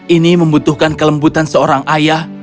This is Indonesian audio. ini membutuhkan kelembutan seorang ayah